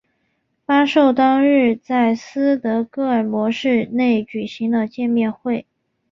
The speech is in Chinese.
发售当日在斯德哥尔摩市内举行了见面会。